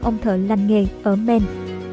ông thợ làm nghề ở maine